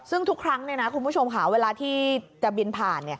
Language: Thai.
ซึ่งทุกครั้งคุณผู้ชมค่ะเวลาที่จะบินผ่าน